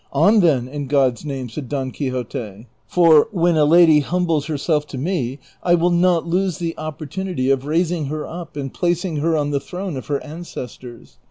" On, then, in God's name," said Don Quixote ;" for, when a lady humbles herself to me, I will not lose the opportunity of raising her up and placing her on the throne of her ances tors.